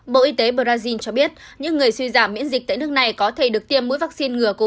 bộ y tế brazil cho biết những người suy giảm miễn dịch tại nước này có thể được tiêm mũi vaccine ngừa covid một mươi chín